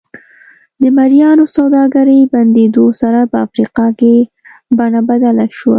د مریانو سوداګرۍ بندېدو سره په افریقا کې بڼه بدله شوه.